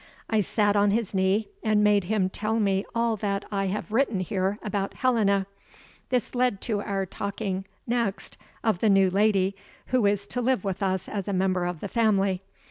I sat on his knee, and made him tell me all that I have written here about Helena. This led to our talking next of the new lady, who is to live with us as a member of the family.